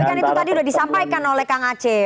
tapi kan itu tadi sudah disampaikan oleh kang aceh